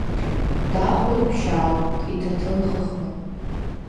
Дахоит ԥшьаала иҭыҭын хыхны…